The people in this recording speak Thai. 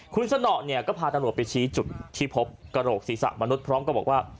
คุณสนอเนี่ยก็พาตำรวจไปชี้จุดที่พบกระโหลกศีรษะมนุษย์พร้อมก็บอกว่า